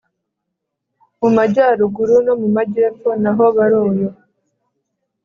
mu majyaruguru no mu majyepfo naho baroyo